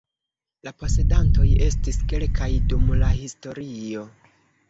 La posedantoj estis kelkaj dum la historio.